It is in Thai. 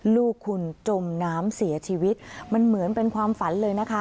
ลูกคุณจมน้ำเสียชีวิตมันเหมือนเป็นความฝันเลยนะคะ